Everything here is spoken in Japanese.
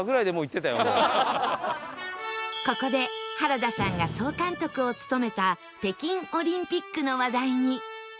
ここで原田さんが総監督を務めた北京オリンピックの話題に